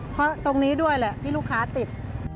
เพราะตรงนี้ด้วยแหละที่ลูกค้าติด